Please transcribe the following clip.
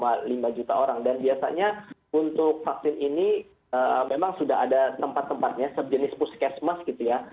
jadi sekitar dua lima juta orang dan biasanya untuk vaksin ini memang sudah ada tempat tempatnya sejenis puskesmas gitu ya